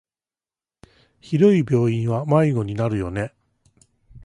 広い病院は迷子になるよね。